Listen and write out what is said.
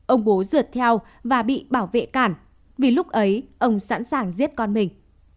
ông bố dượt theo và bị bảo vệ cản vì lúc ấy ông sẵn sàng giết con mình